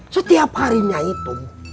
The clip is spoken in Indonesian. setiap harinya itu